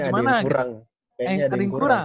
ada yang kurang kayaknya ada yang kurang